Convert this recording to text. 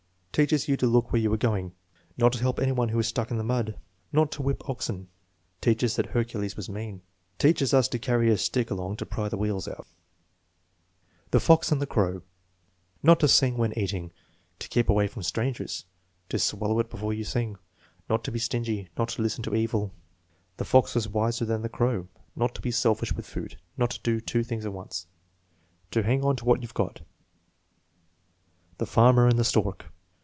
"Teaches you to look where you are going." "Not to help any one who is stuck in the mud." "Not 300 THE MEASUEEMENT OF INTELLIGENCE to whip oxen." "Teaches that Hercules was mean.'* "Teaches us to carry a stick along to pry the wheels out." The Fox and the Crow. "Not to sing when eating." "To keep away from strangers." "To swallow it before you sing." "Not to be stingy." "Not to listen to evil." "The fox was wiser than the crow." "Not to be selfish with food." "Not to do two things at once." "To hang on to what you've got." The Farmer and tJie Stork.